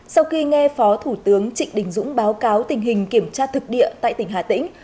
sau khi nghe phó thủ tướng trịnh đình dũng báo cáo tình hình kiểm tra thực địa tại tỉnh hà tĩnh